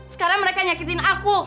sekarang mereka nyakitin aku